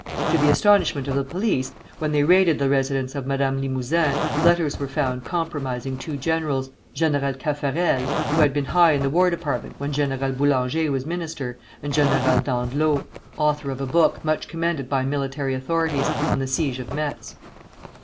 To the astonishment of the police, when they raided the residence of Madame Limouzin, letters were found compromising two generals, General Caffarel, who had been high in the War Department when General Boulanger was minister, and General d'Andlau, author of a book, much commended by military authorities, on the siege of Metz.